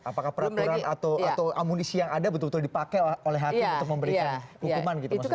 apakah peraturan atau amunisi yang ada betul betul dipakai oleh hakim untuk memberikan hukuman gitu maksudnya